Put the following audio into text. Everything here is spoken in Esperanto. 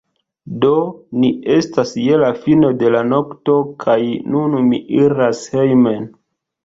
Do, ni estas je la fino de la nokto kaj nun mi iras hejmen